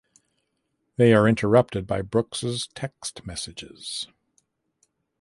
They are interrupted by Brooke’s text messages.